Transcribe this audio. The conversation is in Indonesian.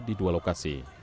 di dua lokasi